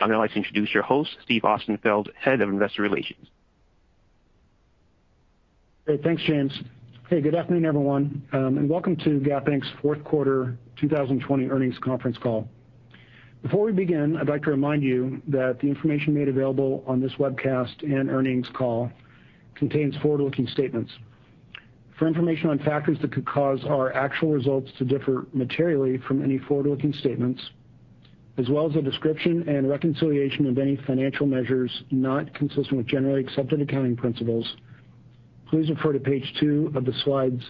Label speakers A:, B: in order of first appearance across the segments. A: I'd now like to introduce your host, Steve Austenfeld, Head of Investor Relations.
B: Great. Thanks, James. Okay, good afternoon, everyone, and welcome to Gap Inc.'s fourth quarter 2020 earnings conference call. Before we begin, I'd like to remind you that the information made available on this webcast and earnings call contains forward-looking statements. For information on factors that could cause our actual results to differ materially from any forward-looking statements, as well as a description and reconciliation of any financial measures not consistent with generally accepted accounting principles, please refer to page two of the slides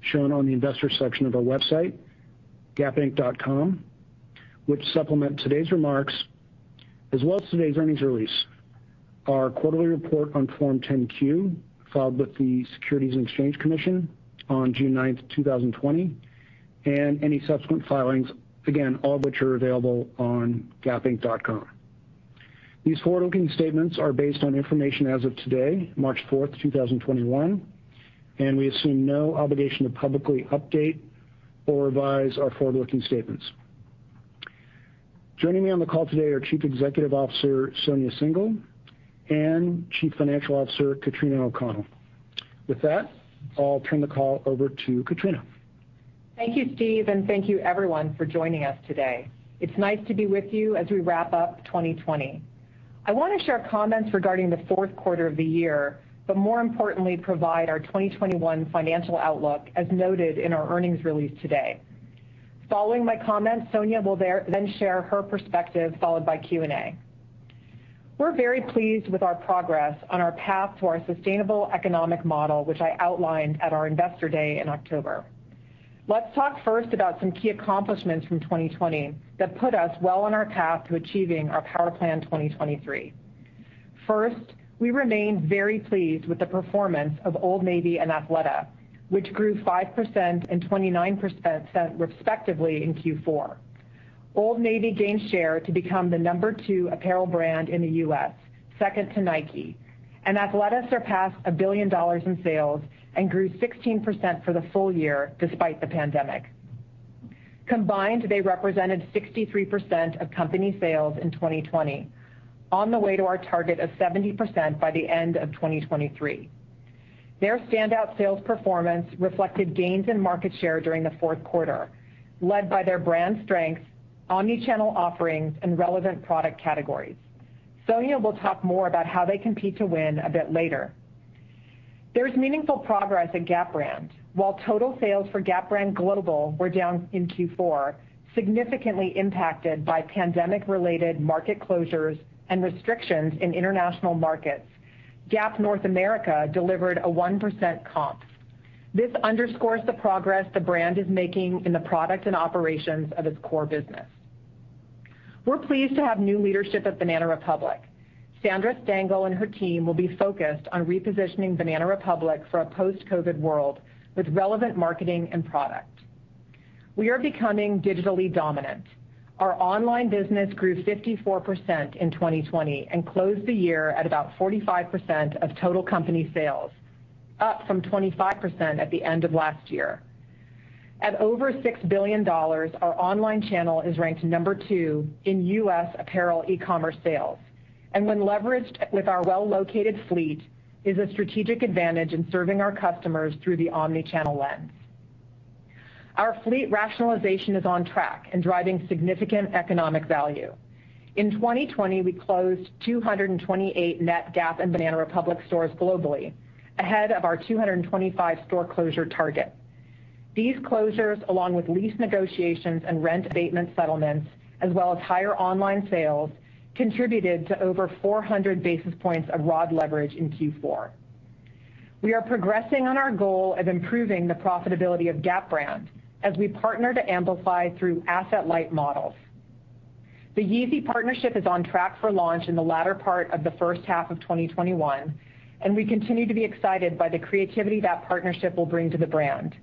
B: shown on the investor section of our website, gapinc.com, which supplement today's remarks as well as today's earnings release, our quarterly report on Form 10-Q filed with the Securities and Exchange Commission on June 9th, 2020, and any subsequent filings, again, all of which are available on gapinc.com. These forward-looking statements are based on information as of today, March 4th, 2021, and we assume no obligation to publicly update or revise our forward-looking statements. Joining me on the call today are Chief Executive Officer, Sonia Syngal, and Chief Financial Officer, Katrina O'Connell. With that, I'll turn the call over to Katrina.
C: Thank you, Steve, and thank you, everyone, for joining us today. It's nice to be with you as we wrap up 2020. I want to share comments regarding the fourth quarter of the year, but more importantly, provide our 2021 financial outlook as noted in our earnings release today. Following my comments, Sonia will then share her perspective, followed by Q&A. We're very pleased with our progress on our path to our sustainable economic model, which I outlined at our Investor Day in October. Let's talk first about some key accomplishments from 2020 that put us well on our path to achieving our Power Plan 2023. First, we remain very pleased with the performance of Old Navy and Athleta, which grew 5% and 29% respectively in Q4. Old Navy gained share to become the number two apparel brand in the U.S., second to Nike. Athleta surpassed $1 billion in sales and grew 16% for the full year despite the pandemic. Combined, they represented 63% of company sales in 2020, on the way to our target of 70% by the end of 2023. Their standout sales performance reflected gains in market share during the fourth quarter, led by their brand strengths, omni-channel offerings, and relevant product categories. Sonia will talk more about how they compete to win a bit later. There's meaningful progress at Gap brand. While total sales for Gap brand global were down in Q4, significantly impacted by pandemic related market closures and restrictions in international markets, Gap North America delivered a 1% comp. This underscores the progress the brand is making in the product and operations of its core business. We're pleased to have new leadership at Banana Republic. Sandra Stangl and her team will be focused on repositioning Banana Republic for a post-COVID world with relevant marketing and product. We are becoming digitally dominant. Our online business grew 54% in 2020 and closed the year at about 45% of total company sales, up from 25% at the end of last year. At over $6 billion, our online channel is ranked number two in US apparel e-commerce sales, and when leveraged with our well-located fleet, is a strategic advantage in serving our customers through the omni-channel lens. Our fleet rationalization is on track and driving significant economic value. In 2020, we closed 228 net Gap and Banana Republic stores globally, ahead of our 225 store closure target. These closures, along with lease negotiations and rent abatement settlements, as well as higher online sales, contributed to over 400 basis points of ROD leverage in Q4. We are progressing on our goal of improving the profitability of Gap brand as we partner to amplify through asset-light models. The Yeezy partnership is on track for launch in the latter part of the first half of 2021, and we continue to be excited by the creativity that partnership will bring to the brand.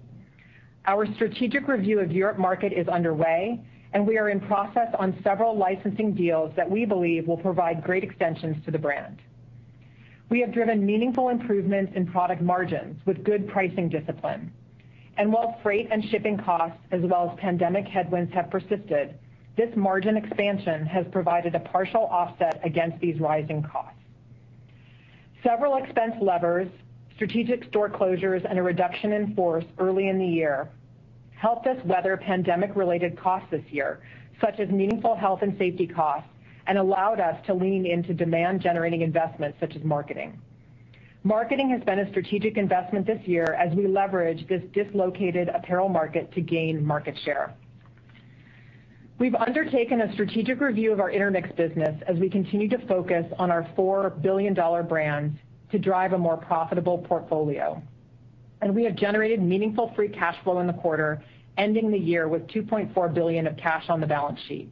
C: Our strategic review of Europe market is underway, and we are in process on several licensing deals that we believe will provide great extensions to the brand. We have driven meaningful improvements in product margins with good pricing discipline. While freight and shipping costs as well as pandemic headwinds have persisted, this margin expansion has provided a partial offset against these rising costs. Several expense levers, strategic store closures, and a reduction in force early in the year helped us weather pandemic-related costs this year, such as meaningful health and safety costs, and allowed us to lean into demand generating investments such as marketing. Marketing has been a strategic investment this year as we leverage this dislocated apparel market to gain market share. We've undertaken a strategic review of our Intermix business as we continue to focus on our $4 billion brand to drive a more profitable portfolio. We have generated meaningful free cash flow in the quarter, ending the year with $2.4 billion of cash on the balance sheet.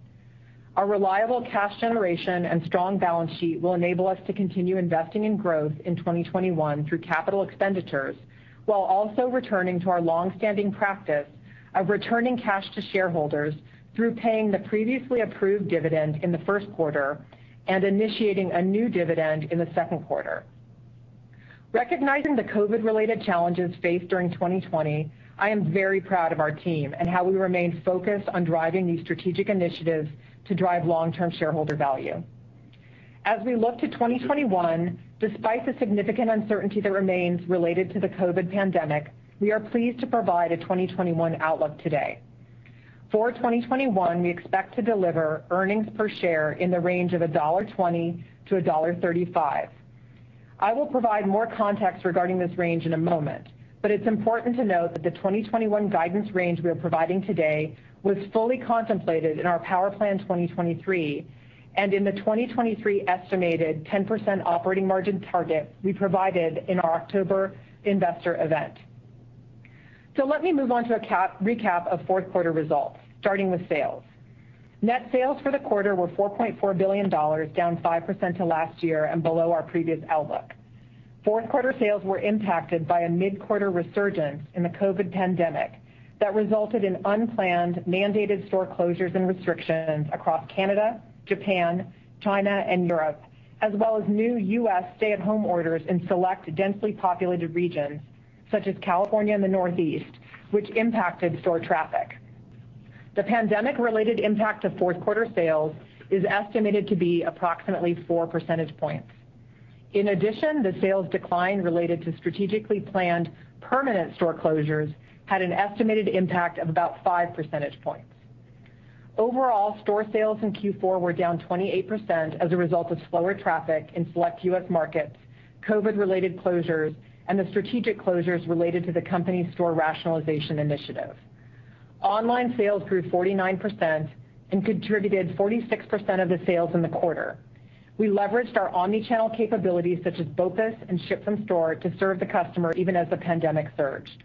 C: Our reliable cash generation and strong balance sheet will enable us to continue investing in growth in 2021 through capital expenditures while also returning to our longstanding practice of returning cash to shareholders through paying the previously approved dividend in the first quarter and initiating a new dividend in the second quarter. Recognizing the COVID-related challenges faced during 2020, I am very proud of our team and how we remained focused on driving these strategic initiatives to drive long-term shareholder value. As we look to 2021, despite the significant uncertainty that remains related to the COVID pandemic, we are pleased to provide a 2021 outlook today. For 2021, we expect to deliver earnings per share in the range of $1.20-$1.35. I will provide more context regarding this range in a moment, but it's important to note that the 2021 guidance range we are providing today was fully contemplated in our Power Plan 2023 and in the 2023 estimated 10% operating margin target we provided in our October investor event. Let me move on to a recap of fourth quarter results, starting with sales. Net sales for the quarter were $4.4 billion, down 5% to last year and below our previous outlook. Fourth quarter sales were impacted by a mid-quarter resurgence in the COVID-19 pandemic that resulted in unplanned mandated store closures and restrictions across Canada, Japan, China, and Europe, as well as new US stay-at-home orders in select densely populated regions such as California and the Northeast, which impacted store traffic. The pandemic-related impact to fourth quarter sales is estimated to be approximately four percentage points. In addition, the sales decline related to strategically planned permanent store closures had an estimated impact of about five percentage points. Overall, store sales in Q4 were down 28% as a result of slower traffic in select US markets, COVID-related closures, and the strategic closures related to the company's store rationalization initiative. Online sales grew 49% and contributed 46% of the sales in the quarter. We leveraged our omni-channel capabilities such as BOPUS and ship from store to serve the customer even as the pandemic surged.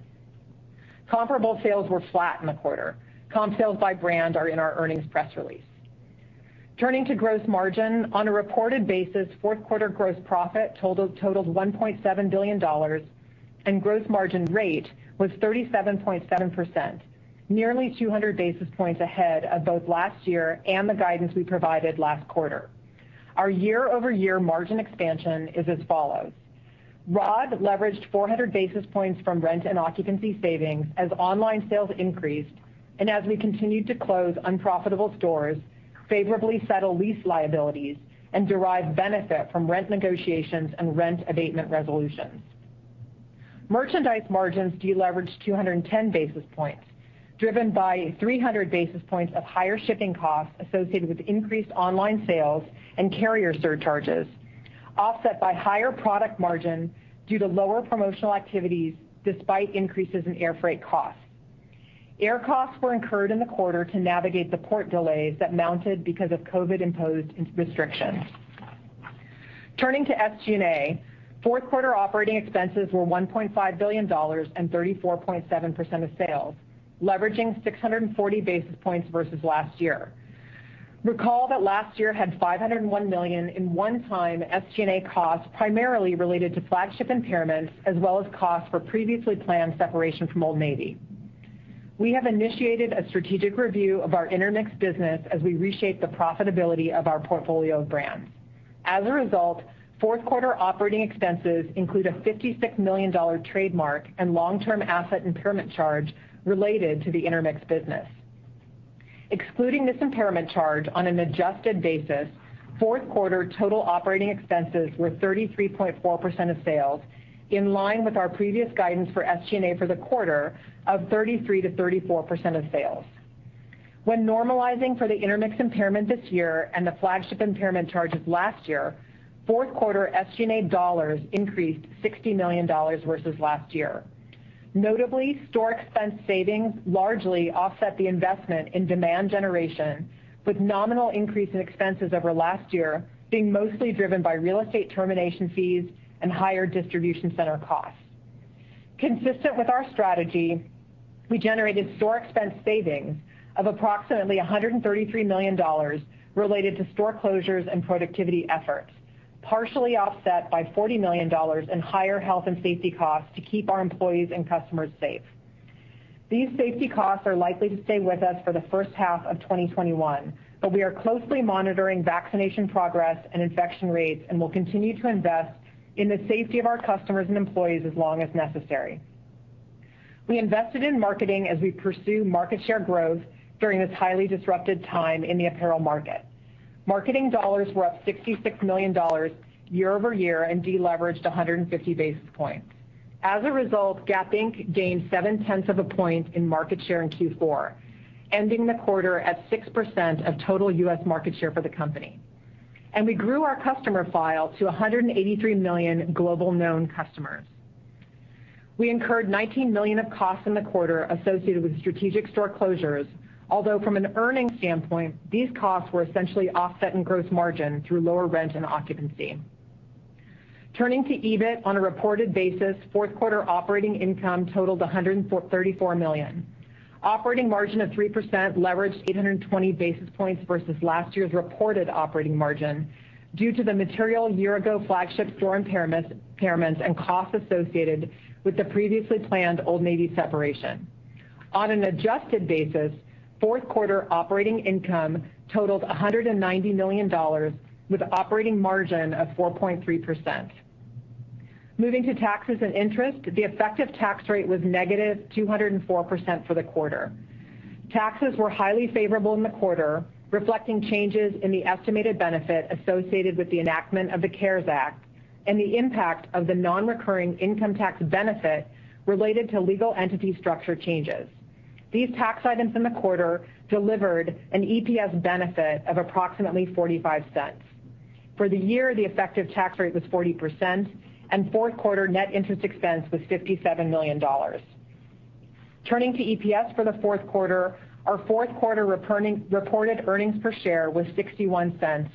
C: Comparable sales were flat in the quarter. Comp sales by brand are in our earnings press release. Turning to gross margin, on a reported basis, fourth quarter gross profit totaled $1.7 billion, and gross margin rate was 37.7%, nearly 200 basis points ahead of both last year and the guidance we provided last quarter. Our year-over-year margin expansion is as follows. ROD leveraged 400 basis points from rent and occupancy savings as online sales increased, as we continued to close unprofitable stores, favorably settle lease liabilities, and derive benefit from rent negotiations and rent abatement resolutions. Merchandise margins deleveraged 210 basis points, driven by 300 basis points of higher shipping costs associated with increased online sales and carrier surcharges, offset by higher product margins due to lower promotional activities despite increases in air freight costs. Air costs were incurred in the quarter to navigate the port delays that mounted because of COVID-imposed restrictions. Turning to SG&A, fourth quarter operating expenses were $1.5 billion and 34.7% of sales, leveraging 640 basis points versus last year. Recall that last year had $501 million in one-time SG&A costs, primarily related to flagship impairments as well as costs for previously planned separation from Old Navy. We have initiated a strategic review of our Intermix business as we reshape the profitability of our portfolio of brands. As a result, fourth quarter operating expenses include a $56 million trademark and long-term asset impairment charge related to the Intermix business. Excluding this impairment charge on an adjusted basis, fourth quarter total operating expenses were 33.4% of sales, in line with our previous guidance for SG&A for the quarter of 33%-34% of sales. When normalizing for the Intermix impairment this year and the flagship impairment charges last year, fourth quarter SG&A dollars increased $60 million versus last year. Notably, store expense savings largely offset the investment in demand generation, with nominal increase in expenses over last year being mostly driven by real estate termination fees and higher distribution center costs. Consistent with our strategy, we generated store expense savings of approximately $133 million related to store closures and productivity efforts, partially offset by $40 million in higher health and safety costs to keep our employees and customers safe. These safety costs are likely to stay with us for the first half of 2021, but we are closely monitoring vaccination progress and infection rates and will continue to invest in the safety of our customers and employees as long as necessary. We invested in marketing as we pursue market share growth during this highly disrupted time in the apparel market. Marketing dollars were up $66 million year-over-year and deleveraged 150 basis points. As a result, Gap Inc. gained seven-tenths of a point in market share in Q4, ending the quarter at 6% of total US market share for the company. We grew our customer file to 183 million global known customers. We incurred $19 million of costs in the quarter associated with strategic store closures, although from an earnings standpoint, these costs were essentially offset in gross margin through lower rent and occupancy. Turning to EBIT on a reported basis, fourth quarter operating income totaled $134 million. Operating margin of 3% leveraged 820 basis points versus last year's reported operating margin due to the material year-ago flagship store impairments and costs associated with the previously planned Old Navy separation. On an adjusted basis, fourth quarter operating income totaled $190 million with operating margin of 4.3%. Moving to taxes and interest, the effective tax rate was negative 204% for the quarter. Taxes were highly favorable in the quarter, reflecting changes in the estimated benefit associated with the enactment of the CARES Act and the impact of the non-recurring income tax benefit related to legal entity structure changes. These tax items in the quarter delivered an EPS benefit of approximately $0.45. For the year, the effective tax rate was 40%, and fourth quarter net interest expense was $57 million. Turning to EPS for the fourth quarter, our fourth quarter reported earnings per share was $0.61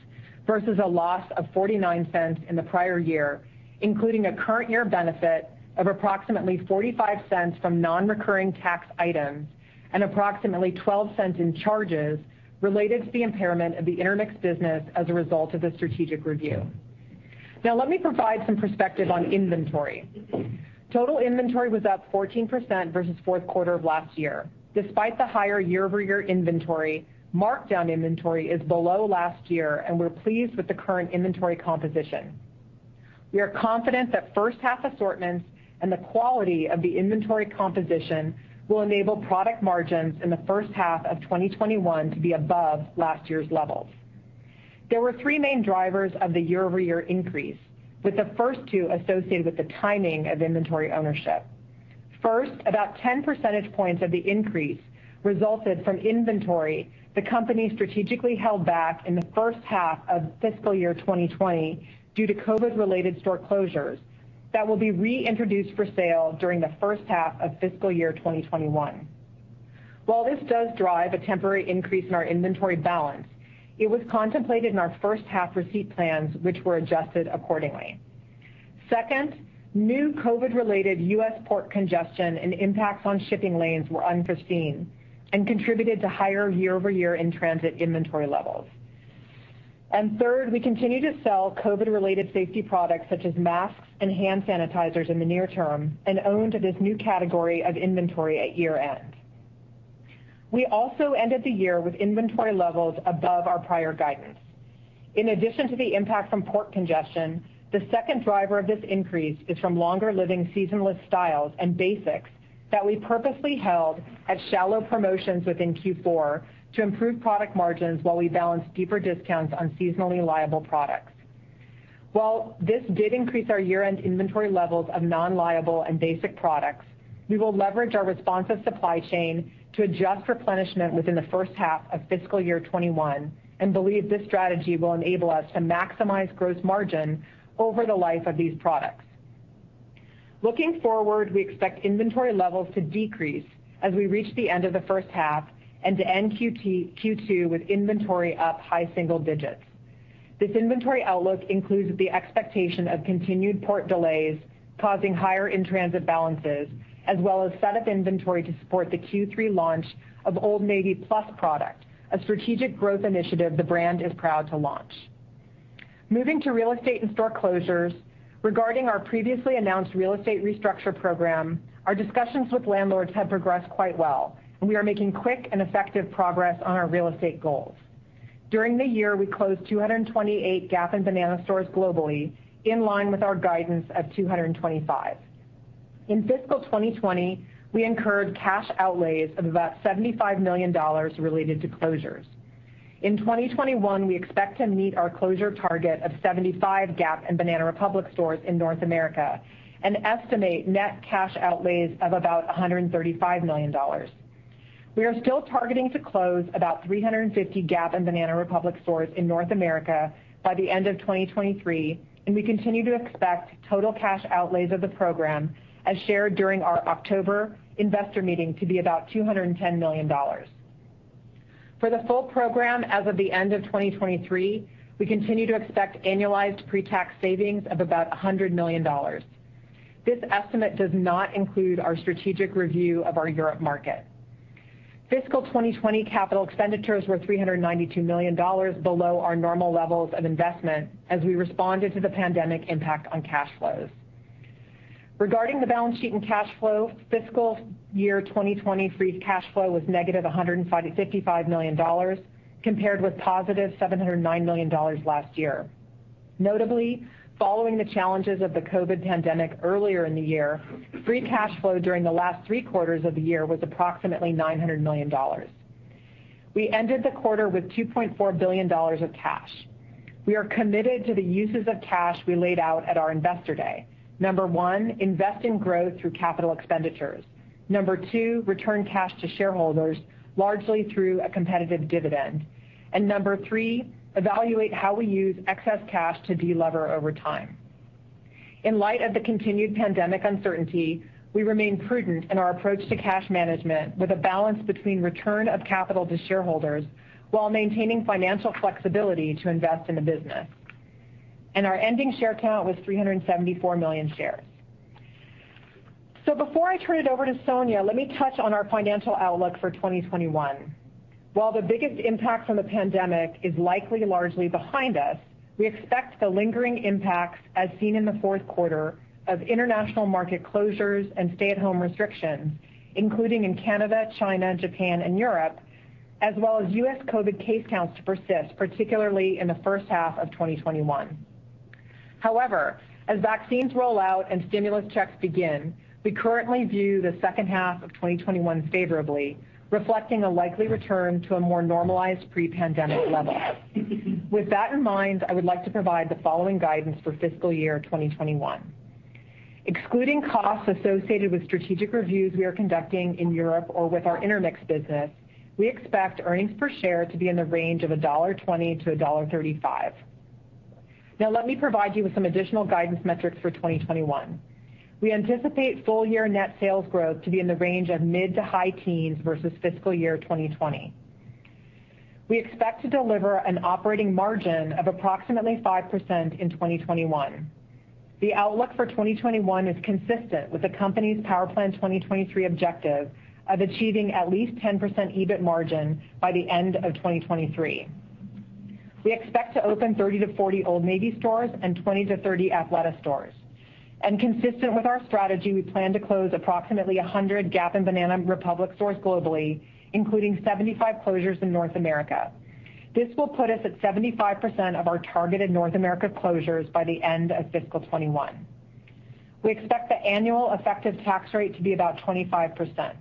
C: versus a loss of $0.49 in the prior year, including a current year benefit of approximately $0.45 from non-recurring tax items and approximately $0.12 in charges related to the impairment of the Intermix business as a result of the strategic review. Now let me provide some perspective on inventory. Total inventory was up 14% versus fourth quarter of last year. Despite the higher year-over-year inventory, markdown inventory is below last year, and we're pleased with the current inventory composition. We are confident that first half assortments and the quality of the inventory composition will enable product margins in the first half of 2021 to be above last year's levels. There were three main drivers of the year-over-year increase, with the first two associated with the timing of inventory ownership. First, about 10 percentage points of the increase resulted from inventory the company strategically held back in the first half of fiscal year 2020 due to COVID-related store closures that will be reintroduced for sale during the first half of fiscal year 2021. While this does drive a temporary increase in our inventory balance, it was contemplated in our first half receipt plans, which were adjusted accordingly. Second, new COVID-related US port congestion and impacts on shipping lanes were unforeseen and contributed to higher year-over-year in-transit inventory levels. Third, we continue to sell COVID-related safety products such as masks and hand sanitizers in the near term and own to this new category of inventory at year-end. We also ended the year with inventory levels above our prior guidance. In addition to the impact from port congestion, the second driver of this increase is from longer living seasonless styles and basics that we purposely held at shallow promotions within Q4 to improve product margins while we balanced deeper discounts on seasonally liable products. While this did increase our year-end inventory levels of non-liable and basic products, we will leverage our responsive supply chain to adjust replenishment within the first half of fiscal year 2021 and believe this strategy will enable us to maximize gross margin over the life of these products. Looking forward, we expect inventory levels to decrease as we reach the end of the first half and to end Q2 with inventory up high single digits. This inventory outlook includes the expectation of continued port delays causing higher in-transit balances as well as set up inventory to support the Q3 launch of Old Navy Plus product, a strategic growth initiative the brand is proud to launch. Moving to real estate and store closures, regarding our previously announced real estate restructure program, our discussions with landlords have progressed quite well, and we are making quick and effective progress on our real estate goals. During the year, we closed 228 Gap and Banana stores globally, in line with our guidance of 225. In fiscal 2020, we incurred cash outlays of about $75 million related to closures. In 2021, we expect to meet our closure target of 75 Gap and Banana Republic stores in North America and estimate net cash outlays of about $135 million. We are still targeting to close about 350 Gap and Banana Republic stores in North America by the end of 2023, and we continue to expect total cash outlays of the program, as shared during our October investor meeting, to be about $210 million. For the full program, as of the end of 2023, we continue to expect annualized pre-tax savings of about $100 million. This estimate does not include our strategic review of our Europe market. Fiscal 2020 capital expenditures were $392 million below our normal levels of investment as we responded to the pandemic impact on cash flows. Regarding the balance sheet and cash flow, fiscal year 2020 free cash flow was negative $155 million, compared with positive $709 million last year. Notably, following the challenges of the COVID pandemic earlier in the year, free cash flow during the last three quarters of the year was approximately $900 million. We ended the quarter with $2.4 billion of cash. We are committed to the uses of cash we laid out at our Investor Day. Number one, invest in growth through capital expenditures. Number two, return cash to shareholders, largely through a competitive dividend. Number three, evaluate how we use excess cash to de-lever over time. In light of the continued pandemic uncertainty, we remain prudent in our approach to cash management with a balance between return of capital to shareholders while maintaining financial flexibility to invest in the business. Our ending share count was 374 million shares. Before I turn it over to Sonia, let me touch on our financial outlook for 2021. While the biggest impact from the pandemic is likely largely behind us, we expect the lingering impacts as seen in the fourth quarter of international market closures and stay-at-home restrictions, including in Canada, China, Japan, and Europe, as well as US COVID case counts to persist, particularly in the first half of 2021. As vaccines roll out and stimulus checks begin, we currently view the second half of 2021 favorably, reflecting a likely return to a more normalized pre-pandemic level. With that in mind, I would like to provide the following guidance for fiscal year 2021. Excluding costs associated with strategic reviews we are conducting in Europe or with our Intermix business, we expect earnings per share to be in the range of $1.20-$1.35. Let me provide you with some additional guidance metrics for 2021. We anticipate full-year net sales growth to be in the range of mid to high teens versus fiscal year 2020. We expect to deliver an operating margin of approximately 5% in 2021. The outlook for 2021 is consistent with the company's Power Plan 2023 objective of achieving at least 10% EBIT margin by the end of 2023. We expect to open 30-40 Old Navy stores and 20-30 Athleta stores. Consistent with our strategy, we plan to close approximately 100 Gap and Banana Republic stores globally, including 75 closures in North America. This will put us at 75% of our targeted North America closures by the end of fiscal 2021. We expect the annual effective tax rate to be about 25%.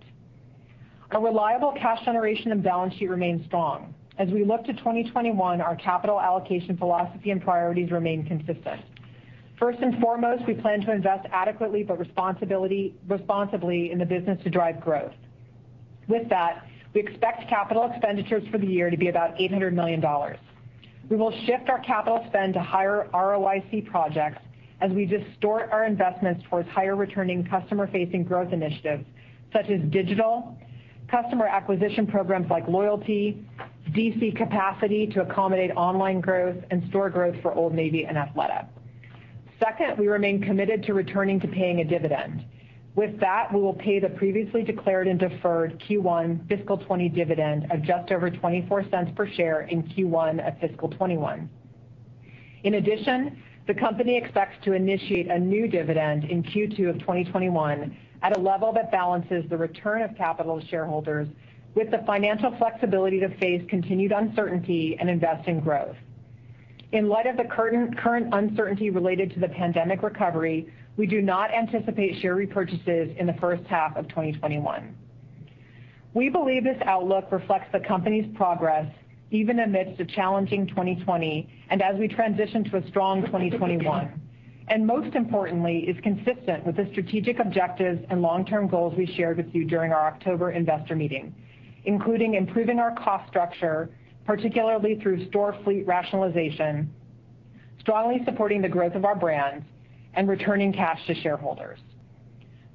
C: Our reliable cash generation and balance sheet remain strong. As we look to 2021, our capital allocation philosophy and priorities remain consistent. First and foremost, we plan to invest adequately, but responsibly in the business to drive growth. With that, we expect capital expenditures for the year to be about $800 million. We will shift our capital spend to higher ROIC projects as we distort our investments towards higher returning customer-facing growth initiatives, such as digital, customer acquisition programs like loyalty, DC capacity to accommodate online growth, and store growth for Old Navy and Athleta. Second, we remain committed to returning to paying a dividend. With that, we will pay the previously declared and deferred Q1 fiscal 2020 dividend of just over $0.24 per share in Q1 of fiscal 2021. In addition, the company expects to initiate a new dividend in Q2 of 2021 at a level that balances the return of capital to shareholders with the financial flexibility to face continued uncertainty and invest in growth. In light of the current uncertainty related to the pandemic recovery, we do not anticipate share repurchases in the first half of 2021. We believe this outlook reflects the company's progress even amidst a challenging 2020, and as we transition to a strong 2021. Most importantly, is consistent with the strategic objectives and long-term goals we shared with you during our October investor meeting, including improving our cost structure, particularly through store fleet rationalization, strongly supporting the growth of our brands, and returning cash to shareholders.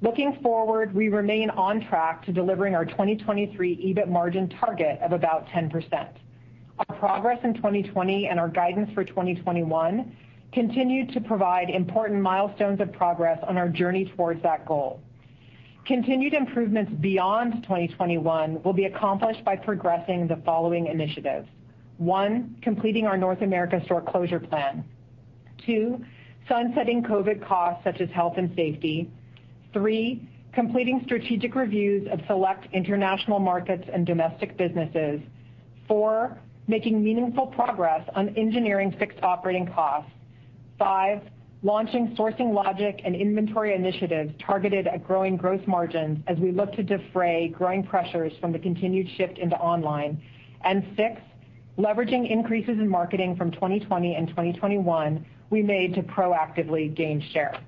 C: Looking forward, we remain on track to delivering our 2023 EBIT margin target of about 10%. Our progress in 2020 and our guidance for 2021 continue to provide important milestones of progress on our journey towards that goal. Continued improvements beyond 2021 will be accomplished by progressing the following initiatives. One, completing our North America store closure plan. Two, sunsetting COVID costs such as health and safety. Three, completing strategic reviews of select international markets and domestic businesses. Four, making meaningful progress on engineering fixed operating costs. Five, launching sourcing, logistics and inventory initiatives targeted at growing gross margins as we look to defray growing pressures from the continued shift into online. Six, leveraging increases in marketing from 2020 and 2021 we made to proactively gain share.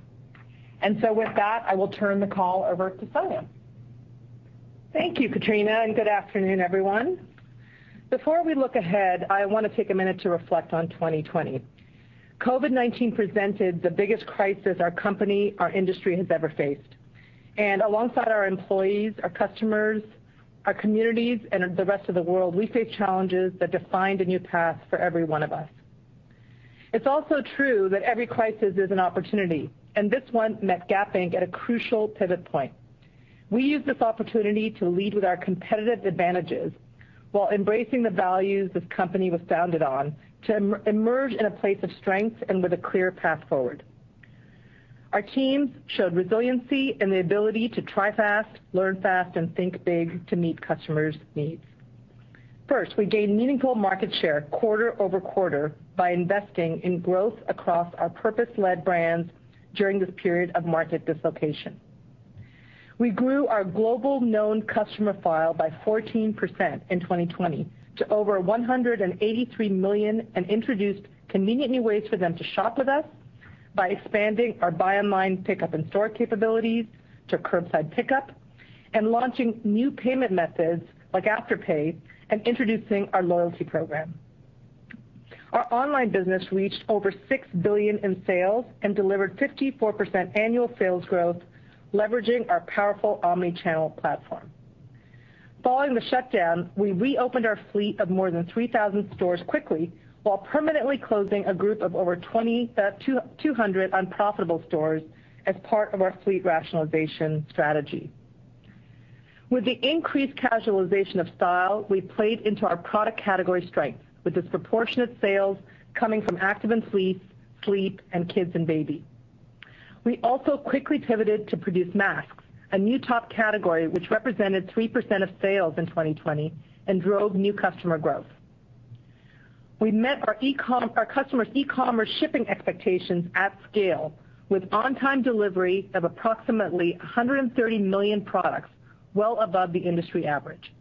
C: With that, I will turn the call over to Sonia.
D: Thank you, Katrina. Good afternoon, everyone. Before we look ahead, I want to take a minute to reflect on 2020. COVID-19 presented the biggest crisis our company, our industry, has ever faced. Alongside our employees, our customers, our communities, and the rest of the world, we faced challenges that defined a new path for every one of us. It's also true that every crisis is an opportunity, and this one met Gap Inc. at a crucial pivot point. We used this opportunity to lead with our competitive advantages while embracing the values this company was founded on to emerge in a place of strength and with a clear path forward. Our teams showed resiliency and the ability to try fast, learn fast, and think big to meet customers' needs. First, we gained meaningful market share quarter-over-quarter by investing in growth across our purpose-led brands during this period of market dislocation. We grew our global known customer file by 14% in 2020 to over 183 million and introduced convenient new ways for them to shop with us by expanding our buy online pickup in-store capabilities to curbside pickup and launching new payment methods like Afterpay and introducing our loyalty program. Our online business reached over $6 billion in sales and delivered 54% annual sales growth, leveraging our powerful omni-channel platform. Following the shutdown, we reopened our fleet of more than 3,000 stores quickly while permanently closing a group of over 200 unprofitable stores as part of our fleet rationalization strategy. With the increased casualization of style, we played into our product category strengths, with disproportionate sales coming from active and sleep, and kids and baby. We also quickly pivoted to produce masks, a new top category which represented 3% of sales in 2020 and drove new customer growth. We met our customers' e-commerce shipping expectations at scale with on-time delivery of approximately 130 million products, well above the industry average.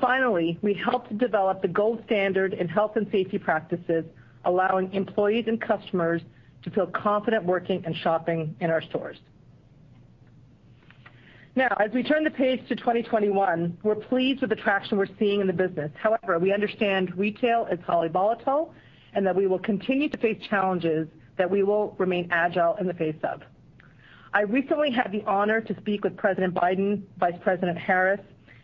D: Finally, we helped develop the gold standard in health and safety practices, allowing employees and customers to feel confident working and shopping in our stores. Now, as we turn the page to 2021, we're pleased with the traction we're seeing in the business. However, we understand retail is highly volatile and that we will continue to face challenges that we will remain agile in the face of. I recently had the honor to speak with President Biden, Vice President Harris,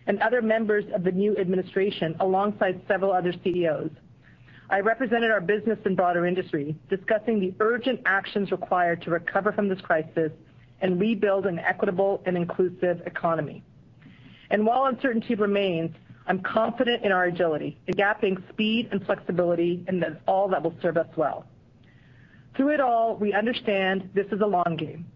D: and other members of the new administration, alongside several other CEOs. I represented our business and broader industry, discussing the urgent actions required to recover from this crisis and rebuild an equitable and inclusive economy. While uncertainty remains, I'm confident in our agility, adapting speed and flexibility, and that all that will serve us well. Through it all, we understand this is a long game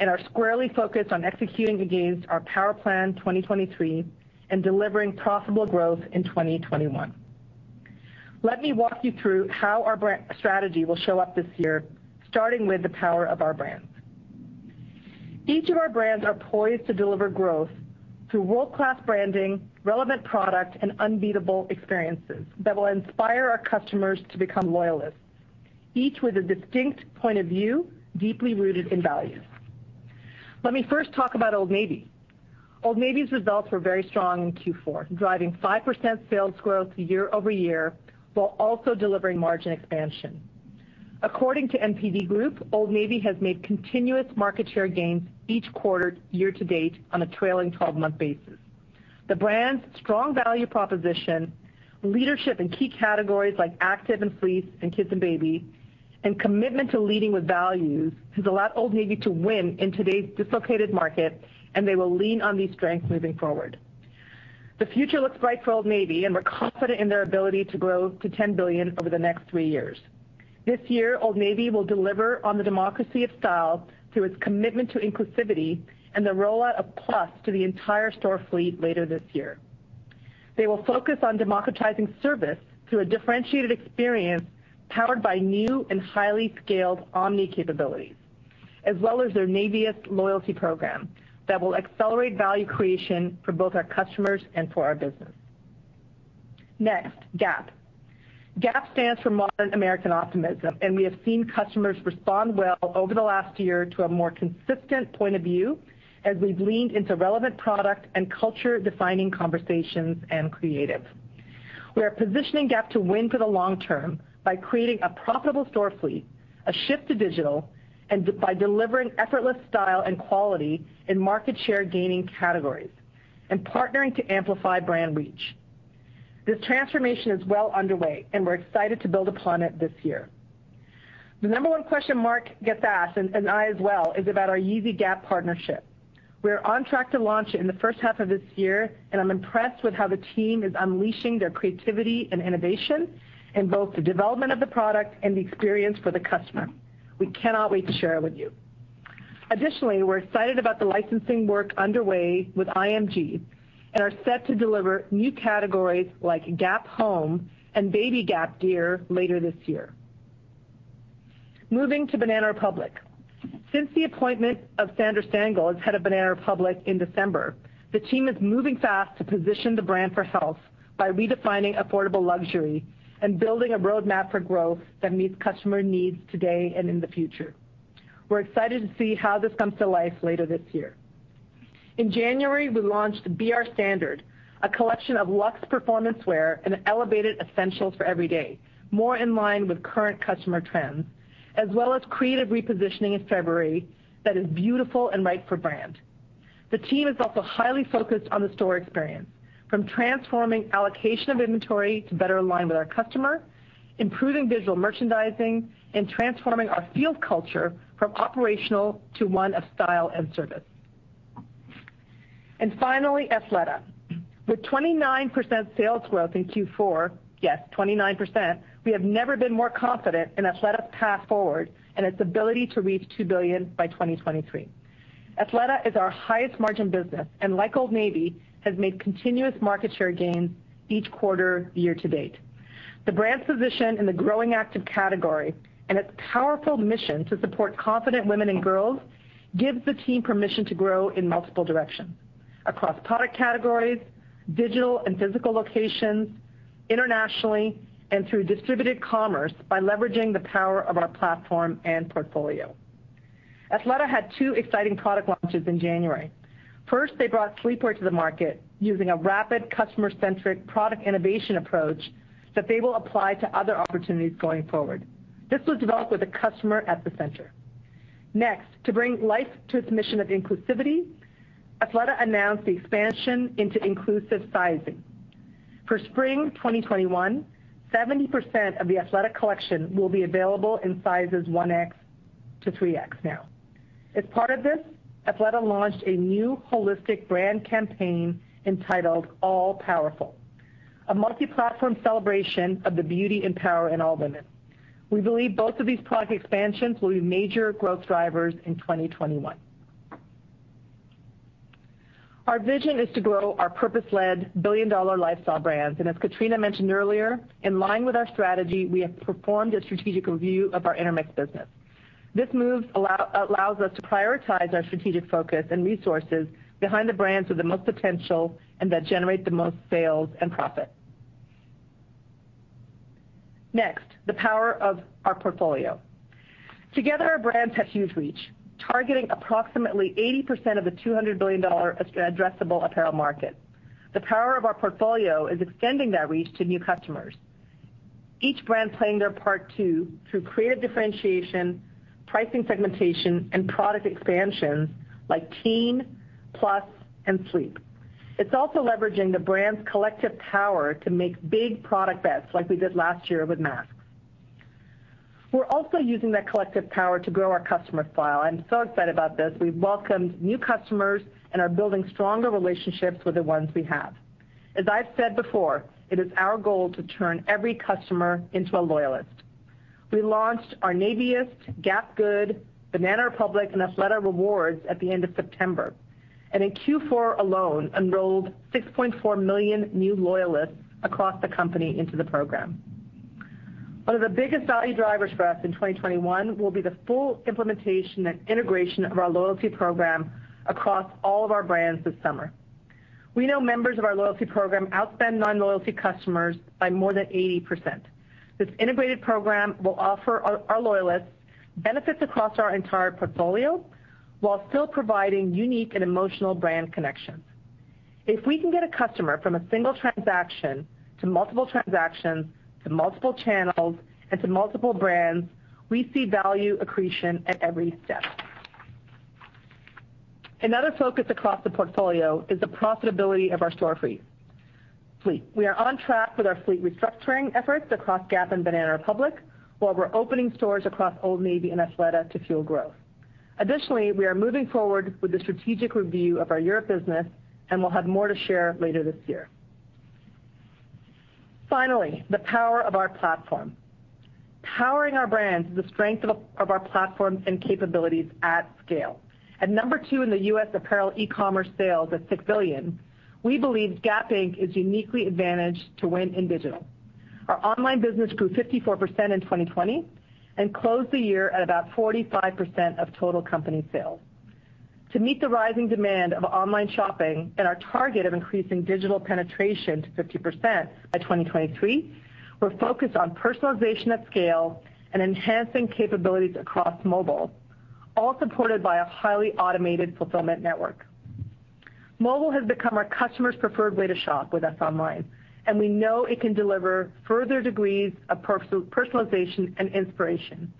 D: and are squarely focused on executing against our Power Plan 2023 and delivering profitable growth in 2021. Let me walk you through how our strategy will show up this year, starting with the power of our brands. Each of our brands are poised to deliver growth through world-class branding, relevant product, and unbeatable experiences that will inspire our customers to become loyalists, each with a distinct point of view, deeply rooted in value. Let me first talk about Old Navy. Old Navy's results were very strong in Q4, driving 5% sales growth year-over-year, while also delivering margin expansion. According to The NPD Group, Old Navy has made continuous market share gains each quarter year-to-date on a trailing 12-month basis. The brand's strong value proposition, leadership in key categories like active and fleece, and kids and baby, and commitment to leading with values has allowed Old Navy to win in today's dislocated market, and they will lean on these strengths moving forward. The future looks bright for Old Navy, and we're confident in their ability to grow to $10 billion over the next three years. This year, Old Navy will deliver on the democracy of style through its commitment to inclusivity and the rollout of Plus to the entire store fleet later this year. They will focus on democratizing service through a differentiated experience powered by new and highly scaled omni capabilities, as well as their Navyist loyalty program that will accelerate value creation for both our customers and for our business. Gap. Gap stands for modern American optimism, and we have seen customers respond well over the last year to a more consistent point of view as we've leaned into relevant product and culture-defining conversations and creative. We are positioning Gap to win for the long term by creating a profitable store fleet, a shift to digital, and by delivering effortless style and quality in market share gaining categories, and partnering to amplify brand reach. This transformation is well underway and we're excited to build upon it this year. The number one question Mark gets asked, and I as well, is about our Yeezy Gap partnership. We're on track to launch it in the first half of this year, and I'm impressed with how the team is unleashing their creativity and innovation in both the development of the product and the experience for the customer. We cannot wait to share it with you. Additionally, we're excited about the licensing work underway with IMG and are set to deliver new categories like Gap Home and babyGap Gear later this year. Moving to Banana Republic. Since the appointment of Sandra Stangl as head of Banana Republic in December, the team is moving fast to position the brand for health by redefining affordable luxury and building a roadmap for growth that meets customer needs today and in the future. We're excited to see how this comes to life later this year. In January, we launched BR Standard, a collection of luxe performance wear and elevated essentials for every day, more in line with current customer trends, as well as creative repositioning in February that is beautiful and right for brand. The team is also highly focused on the store experience, from transforming allocation of inventory to better align with our customer, improving visual merchandising, and transforming our field culture from operational to one of style and service. Finally, Athleta. With 29% sales growth in Q4, yes, 29%, we have never been more confident in Athleta's path forward and its ability to reach $2 billion by 2023. Athleta is our highest margin business and, like Old Navy, has made continuous market share gains each quarter year to date. The brand's position in the growing active category and its powerful mission to support confident women and girls gives the team permission to grow in multiple directions: across product categories, digital and physical locations, internationally, and through distributed commerce by leveraging the power of our platform and portfolio. Athleta had two exciting product launches in January. First, they brought sleepwear to the market using a rapid customer-centric product innovation approach that they will apply to other opportunities going forward. This was developed with the customer at the center. Next, to bring life to its mission of inclusivity, Athleta announced the expansion into inclusive sizing. For spring 2021, 70% of the Athleta collection will be available in sizes 1X-3X now. As part of this, Athleta launched a new holistic brand campaign entitled All Powerful, a multi-platform celebration of the beauty and power in all women. We believe both of these product expansions will be major growth drivers in 2021. Our vision is to grow our purpose-led billion-dollar lifestyle brands. As Katrina mentioned earlier, in line with our strategy, we have performed a strategic review of our Intermix business. This move allows us to prioritize our strategic focus and resources behind the brands with the most potential and that generate the most sales and profit. Next, the power of our portfolio. Together, our brands have huge reach, targeting approximately 80% of the $200 billion addressable apparel market. The power of our portfolio is extending that reach to new customers. Each brand playing their part too, through creative differentiation, pricing segmentation, and product expansions like teen, plus, and sleep. It's also leveraging the brands' collective power to make big product bets like we did last year with masks. We're also using that collective power to grow our customer file. I'm so excited about this. We've welcomed new customers and are building stronger relationships with the ones we have. As I've said before, it is our goal to turn every customer into a loyalist. We launched our Navyist, Gap Good, Banana Republic, and Athleta Rewards at the end of September, and in Q4 alone, enrolled 6.4 million new loyalists across the company into the program. One of the biggest value drivers for us in 2021 will be the full implementation and integration of our loyalty program across all of our brands this summer. We know members of our loyalty program outspend non-loyalty customers by more than 80%. This integrated program will offer our loyalists benefits across our entire portfolio while still providing unique and emotional brand connections. If we can get a customer from a single transaction to multiple transactions, to multiple channels, and to multiple brands, we see value accretion at every step. Another focus across the portfolio is the profitability of our store fleet. We are on track with our fleet restructuring efforts across Gap and Banana Republic, while we're opening stores across Old Navy and Athleta to fuel growth. We are moving forward with the strategic review of our Europe business, and we'll have more to share later this year. The power of our platform. Powering our brands is the strength of our platforms and capabilities at scale. At number two in the US apparel e-commerce sales at $6 billion, we believe Gap Inc. is uniquely advantaged to win in digital. Our online business grew 54% in 2020, and closed the year at about 45% of total company sales. To meet the rising demand of online shopping and our target of increasing digital penetration to 50% by 2023, we're focused on personalization at scale and enhancing capabilities across mobile, all supported by a highly automated fulfillment network. Mobile has become our customers' preferred way to shop with us online, and we know it can deliver further degrees of personalization and inspiration,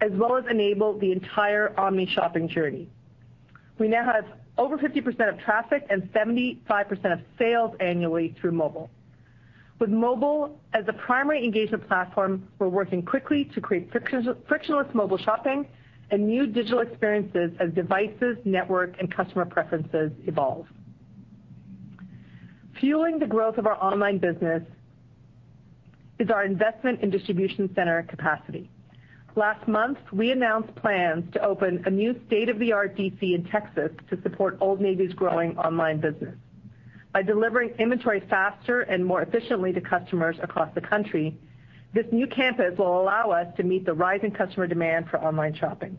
D: as well as enable the entire omni shopping journey. We now have over 50% of traffic and 75% of sales annually through mobile. With mobile as the primary engagement platform, we're working quickly to create frictionless mobile shopping and new digital experiences as devices, network, and customer preferences evolve. Fueling the growth of our online business is our investment in distribution center capacity. Last month, we announced plans to open a new state-of-the-art DC in Texas to support Old Navy's growing online business. By delivering inventory faster and more efficiently to customers across the country, this new campus will allow us to meet the rising customer demand for online shopping.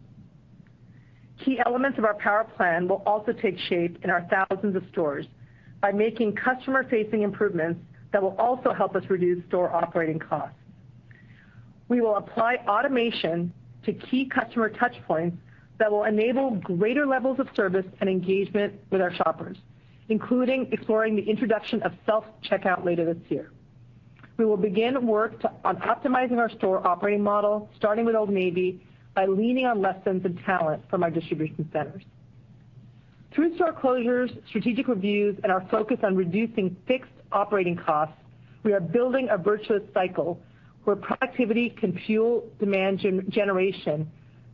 D: Key elements of our Power Plan will also take shape in our 1,000s of stores by making customer-facing improvements that will also help us reduce store operating costs. We will apply automation to key customer touchpoints that will enable greater levels of service and engagement with our shoppers, including exploring the introduction of self-checkout later this year. We will begin work on optimizing our store operating model, starting with Old Navy, by leaning on lessons and talent from our distribution centers. Through store closures, strategic reviews, and our focus on reducing fixed operating costs, we are building a virtuous cycle where productivity can fuel demand generation,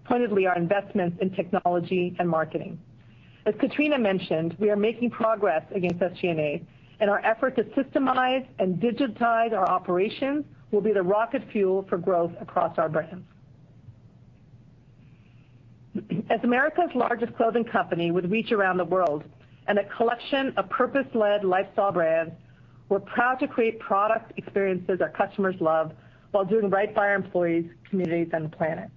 D: pointedly our investments in technology and marketing. As Katrina mentioned, we are making progress against SG&A, and our effort to systemize and digitize our operations will be the rocket fuel for growth across our brands. As America's largest clothing company with reach around the world and a collection of purpose-led lifestyle brands, we're proud to create product experiences our customers love while doing right by our employees, communities, and the planet.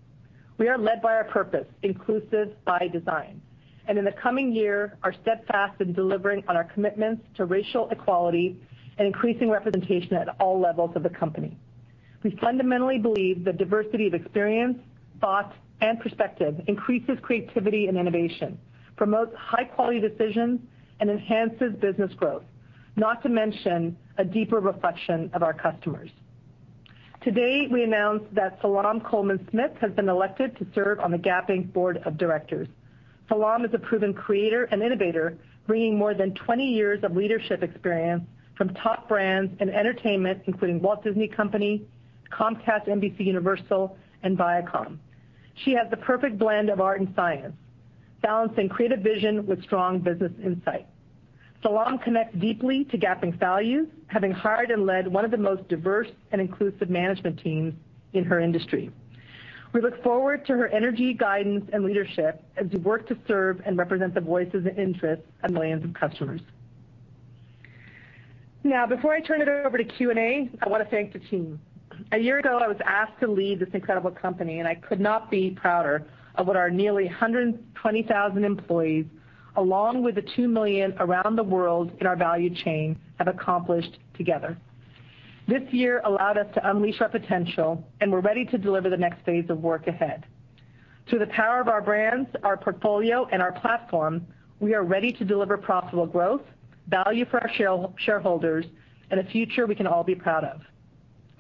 D: We are led by our purpose, inclusive by design, and in the coming year, are steadfast in delivering on our commitments to racial equality and increasing representation at all levels of the company. We fundamentally believe the diversity of experience, thought, and perspective increases creativity and innovation, promotes high-quality decisions, and enhances business growth, not to mention a deeper reflection of our customers. Today, we announce that Salaam Coleman Smith has been elected to serve on the Gap Inc. board of directors. Salaam is a proven creator and innovator, bringing more than 20 years of leadership experience from top brands and entertainment, including The Walt Disney Company, Comcast NBCUniversal, and Viacom. She has the perfect blend of art and science, balancing creative vision with strong business insight. Salaam connects deeply to Gap Inc. values, having hired and led one of the most diverse and inclusive management teams in her industry. We look forward to her energy, guidance, and leadership as we work to serve and represent the voices and interests of millions of customers. Before I turn it over to Q&A, I want to thank the team. A year ago, I was asked to lead this incredible company, I could not be prouder of what our nearly 120,000 employees, along with the 2 million around the world in our value chain, have accomplished together. This year allowed us to unleash our potential, and we're ready to deliver the next phase of work ahead. Through the power of our brands, our portfolio, and our platform, we are ready to deliver profitable growth, value for our shareholders, and a future we can all be proud of.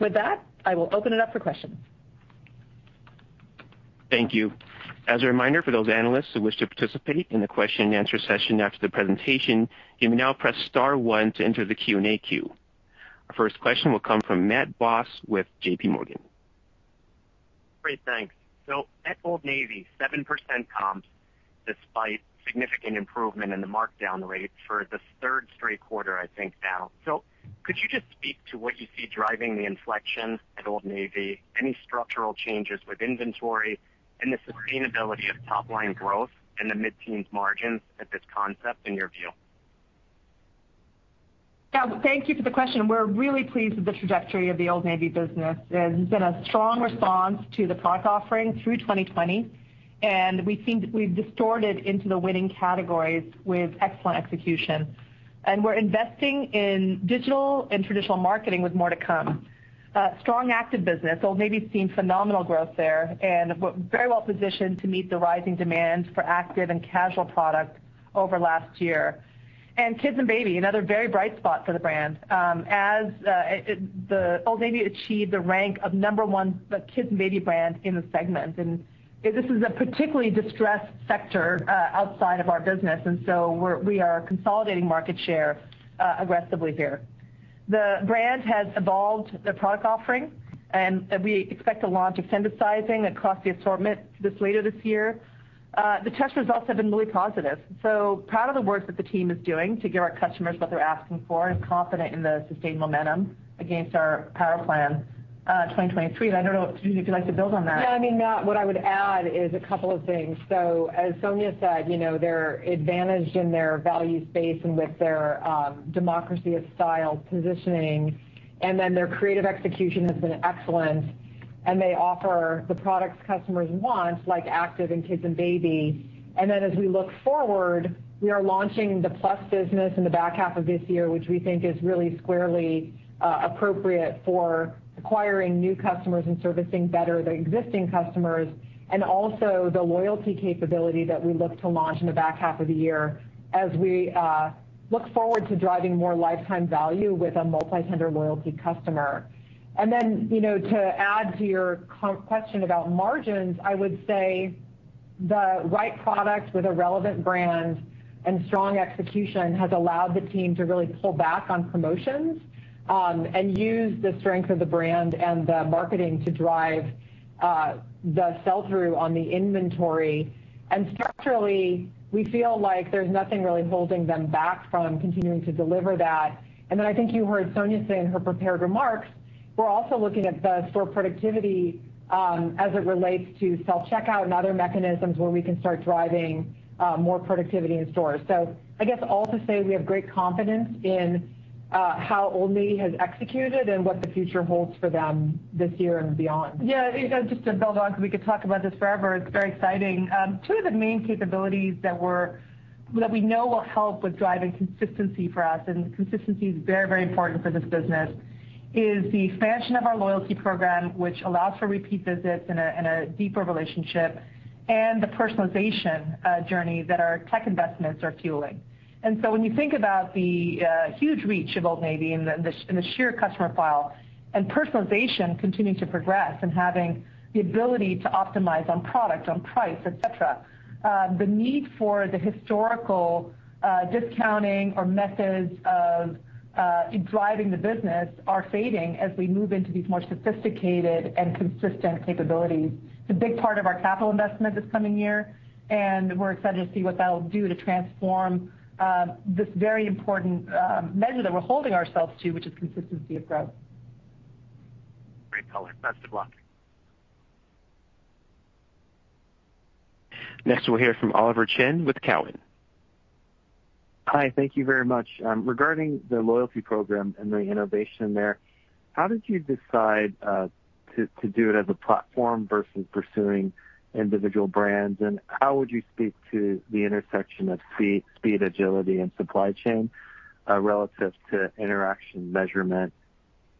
D: With that, I will open it up for questions.
A: Thank you. As a reminder, for those analysts who wish to participate in the question and answer session after the presentation, you may now press star one to enter the Q&A queue. Our first question will come from Matt Boss with JPMorgan.
E: Great. Thanks. At Old Navy, 7% comps, despite significant improvement in the markdown rates for the third straight quarter, I think, now. Could you just speak to what you see driving the inflection at Old Navy, any structural changes with inventory and the sustainability of top-line growth in the mid-teens margins at this concept in your view?
D: Yeah, thank you for the question. We're really pleased with the trajectory of the Old Navy business. There's been a strong response to the product offering through 2020, and we've distorted into the winning categories with excellent execution. We're investing in digital and traditional marketing with more to come. Strong active business. Old Navy's seen phenomenal growth there, and very well positioned to meet the rising demand for active and casual product over last year. Kids and baby, another very bright spot for the brand, as the Old Navy achieved the rank of number one kids and baby brand in the segment. This is a particularly distressed sector outside of our business, and so we are consolidating market share aggressively here. The brand has evolved the product offering, and we expect to launch extended sizing across the assortment this later this year. The test results have been really positive. Proud of the work that the team is doing to give our customers what they're asking for and confident in the sustained momentum against our Power Plan 2023. I don't know, Katrina, if you'd like to build on that.
C: Yeah, I mean, what I would add is a couple of things. As Sonia said, they're advantaged in their value space and with their democracy of style positioning, their creative execution has been excellent, and they offer the products customers want, like active and kids and baby. As we look forward, we are launching the Old Navy Plus business in the back half of this year, which we think is really squarely appropriate for acquiring new customers and servicing better the existing customers. Also the loyalty capability that we look to launch in the back half of the year as we look forward to driving more lifetime value with a multi-tender loyalty customer. To add to your question about margins, I would say the right product with a relevant brand and strong execution has allowed the team to really pull back on promotions, and use the strength of the brand and the marketing to drive the sell-through on the inventory. Structurally, we feel like there's nothing really holding them back from continuing to deliver that. I think you heard Sonia say in her prepared remarks, we're also looking at the store productivity, as it relates to self-checkout and other mechanisms where we can start driving more productivity in stores. I guess all to say we have great confidence in how Old Navy has executed and what the future holds for them this year and beyond.
D: Just to build on, because we could talk about this forever. It's very exciting. Two of the main capabilities that we know will help with driving consistency for us, and consistency is very important for this business, is the expansion of our loyalty program, which allows for repeat visits and a deeper relationship and the personalization journey that our tech investments are fueling. When you think about the huge reach of Old Navy and the sheer customer file and personalization continuing to progress and having the ability to optimize on product, on price, et cetera, the need for the historical discounting or methods of driving the business are fading as we move into these more sophisticated and consistent capabilities. It's a big part of our capital investment this coming year, and we're excited to see what that'll do to transform this very important measure that we're holding ourselves to, which is consistency of growth.
E: Great color. Best of luck.
A: Next, we'll hear from Oliver Chen with Cowen.
F: Hi, thank you very much. Regarding the loyalty program and the innovation there, how did you decide to do it as a platform versus pursuing individual brands, and how would you speak to the intersection of speed, agility, and supply chain relative to interaction measurement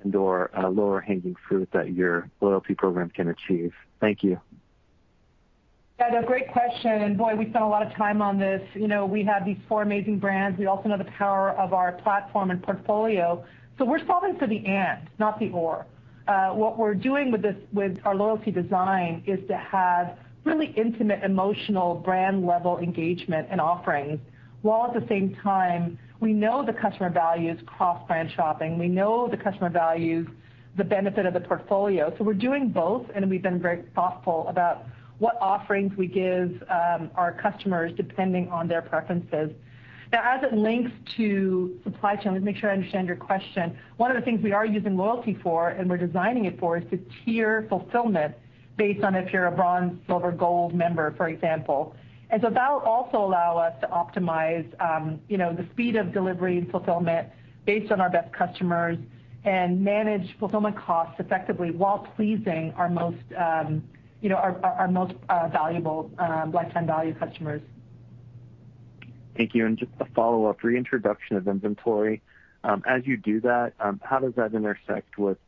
F: and/or lower hanging fruit that your loyalty program can achieve? Thank you.
D: Yeah, no, great question. Boy, we spent a lot of time on this. We have these four amazing brands. We also know the power of our platform and portfolio. We're solving for the and, not the or. What we're doing with our loyalty design is to have really intimate, emotional, brand-level engagement and offerings, while at the same time, we know the customer values cross-brand shopping. We know the customer values the benefit of the portfolio. We're doing both, and we've been very thoughtful about what offerings we give our customers, depending on their preferences. Now, as it links to supply chain, let me make sure I understand your question. One of the things we are using loyalty for, and we're designing it for, is to tier fulfillment based on if you're a bronze, silver, gold member, for example. That'll also allow us to optimize the speed of delivery and fulfillment based on our best customers and manage fulfillment costs effectively while pleasing our most valuable lifetime value customers.
F: Thank you. Just a follow-up. Reintroduction of inventory. As you do that, how does that intersect with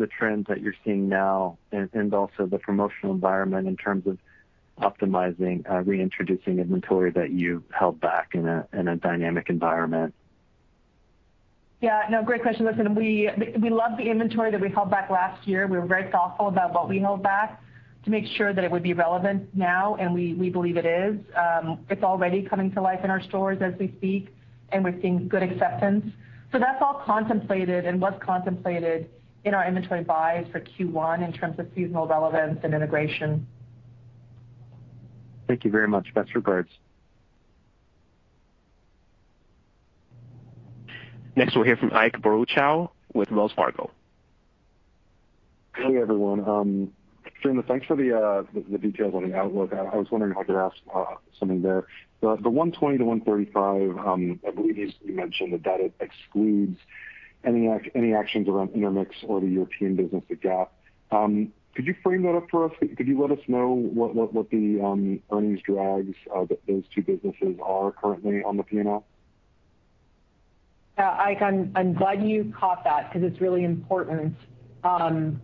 F: the trends that you're seeing now, and also the promotional environment in terms of optimizing, reintroducing inventory that you've held back in a dynamic environment?
D: Yeah. No, great question. Listen, we loved the inventory that we held back last year. We were very thoughtful about what we held back to make sure that it would be relevant now, and we believe it is. It's already coming to life in our stores as we speak, and we're seeing good acceptance. That's all contemplated and was contemplated in our inventory buys for Q1 in terms of seasonal relevance and integration.
F: Thank you very much. Best regards.
A: Next, we'll hear from Ike Boruchow with Wells Fargo.
G: Hey, everyone. Katrina, thanks for the details on the outlook. I was wondering if I could ask something there. The $1.20-$1.35, I believe you mentioned that that excludes any actions around Intermix or the European business at Gap. Could you frame that up for us? Could you let us know what the earnings drags of those two businesses are currently on the P&L?
C: Yeah, Ike, I'm glad you caught that because it's really important.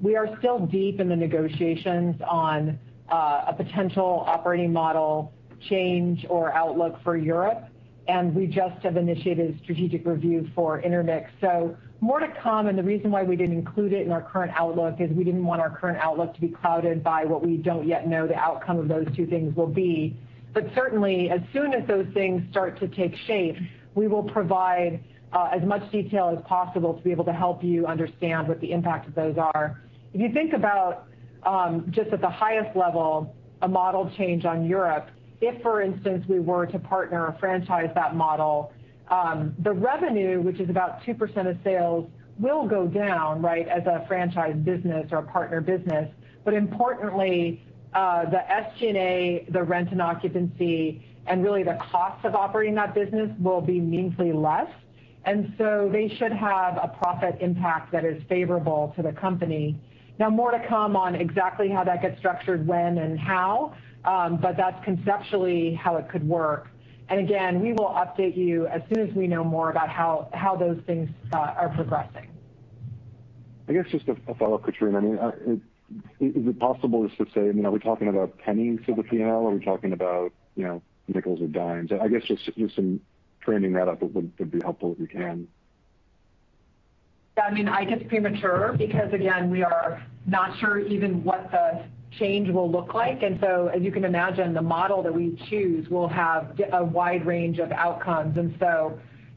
C: We are still deep in the negotiations on a potential operating model change or outlook for Europe, and we just have initiated a strategic review for Intermix, so more to come. The reason why we didn't include it in our current outlook is we didn't want our current outlook to be clouded by what we don't yet know the outcome of those two things will be. Certainly, as soon as those things start to take shape, we will provide as much detail as possible to be able to help you understand what the impact of those are. If you think about, just at the highest level, a model change on Europe, if, for instance, we were to partner or franchise that model, the revenue, which is about 2% of sales, will go down, right, as a franchise business or a partner business. Importantly, the SG&A, the rent and occupancy, and really the cost of operating that business will be meaningfully less. They should have a profit impact that is favorable to the company. Now, more to come on exactly how that gets structured, when and how, but that's conceptually how it could work. Again, we will update you as soon as we know more about how those things are progressing.
G: I guess just a follow-up, Katrina. Is it possible just to say, are we talking about pennies to the P&L? Are we talking about nickels or dimes? I guess just some framing that up would be helpful, if you can.
C: Yeah. It is premature because, again, we are not sure even what the change will look like. As you can imagine, the model that we choose will have a wide range of outcomes.